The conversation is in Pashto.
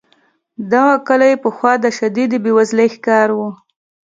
دغه کلی پخوا د شدیدې بې وزلۍ ښکار و.